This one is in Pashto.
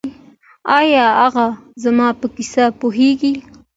ایا هغه زما په کیس پوهیږي؟